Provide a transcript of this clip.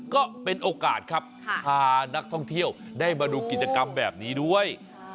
ก็เป็นโอกาสครับพานักท่องเที่ยวได้มาดูกิจกรรมแบบนี้ด้วย